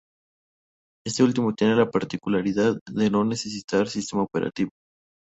Este último tiene la particularidad de no necesitar sistema operativo.